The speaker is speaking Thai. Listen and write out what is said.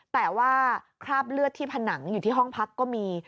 แต่ว่าคราบเลือดที่ผนังอยู่ที่ห้องพักก็มี